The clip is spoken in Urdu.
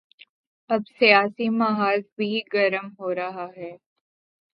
اب سیاسی محاذ بھی گرم ہو رہا ہے۔